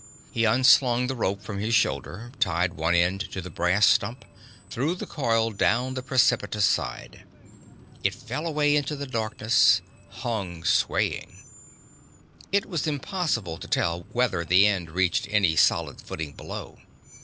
He unslung the rope from his shoulder, tied one end to the brass stump, threw the coil down the precipitous side. It fell away into darkness, hung swaying. It was impossible to tell whether the end reached any solid footing below.